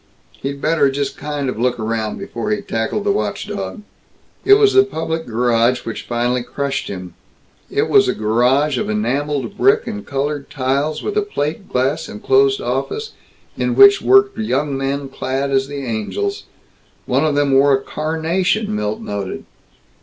He'd better "just kind of look around before he tackled the watch dog." It was the public garage which finally crushed him. It was a garage of enameled brick and colored tiles, with a plate glass enclosed office in which worked young men clad as the angels. One of them wore a carnation, Milt noted.